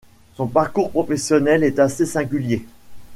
Son parcours professionnel est assez singulier.